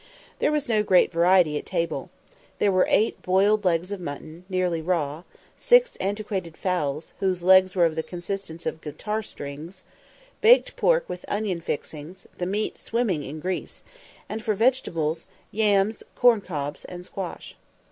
There was no great variety at table. There were eight boiled legs of mutton, nearly raw; six antiquated fowls, whose legs were of the consistence of guitar strings; baked pork with "onion fixings," the meat swimming in grease; and for vegetables, yams, corn cobs, and squash.